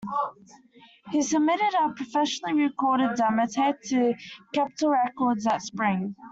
He submitted a professionally recorded demo tape to Capitol Records that spring.